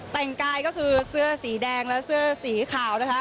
แต่งกายก็คือเสื้อสีแดงและเสื้อสีขาวนะคะ